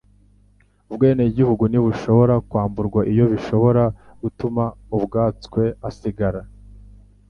ubwenegihugu ntibushobora kwamburwa iyo bishobora gutuma ubwatswe asigara